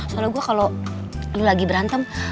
soalnya gue kalo lo lagi berantem